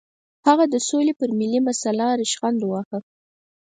هغه د سولې پر ملي مسله ریشخند وواهه.